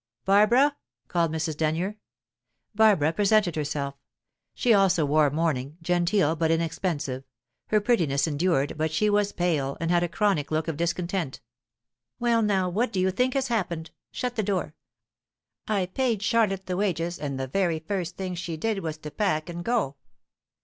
"Barbara!" called Mrs. Denyer. Barbara presented herself. She also wore mourning, genteel but inexpensive. Her prettiness endured, but she was pale, and had a chronic look of discontent. "Well, now, what do you think has happened? Shut the door. I paid Charlotte the wages, and the very first thing she did was to pack and go!"